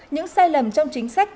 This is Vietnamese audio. những sai lầm trong chính sách